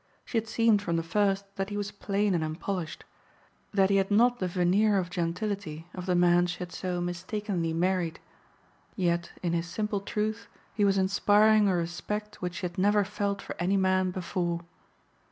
She had seen from the first that he was plain and unpolished that he had not the veneer of gentility of the man she had so mistakenly married; yet, in his simple truth, he was inspiring a respect which she had never felt for any man before.